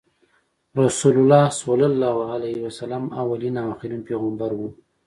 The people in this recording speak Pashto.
رسول الله ص اولین او اخرین پیغمبر وو۔